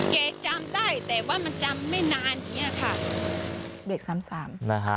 แกจำได้แต่ว่ามันจำไม่นานอย่างนี้ค่ะ